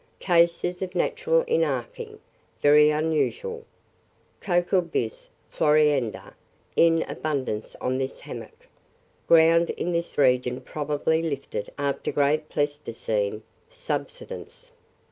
Cases of natural inarching very unusual. Coccolobis floridana in abundance on this hammock. ... Ground in this region probably lifted after great Pleistocene subsidence.